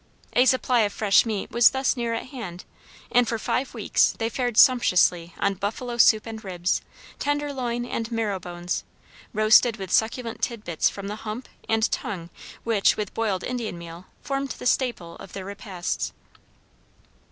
A supply of fresh meat was thus near at hand, and for five weeks they fared sumptuously on buffalo soup and ribs, tender loin and marrow bones, roasted with succulent tidbits from the hump, and tongue, which, with boiled Indian meal, formed the staple of their repasts.